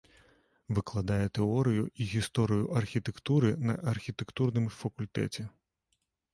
Выкладае тэорыю і гісторыю архітэктуры на архітэктурным факультэце.